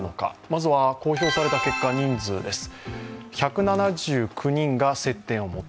まずは公表された結果、人数です。